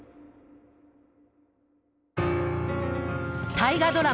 大河ドラマ